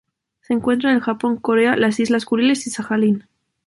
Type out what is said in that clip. Se encuentra en el Japón, Corea, las Islas Kuriles y Sajalín.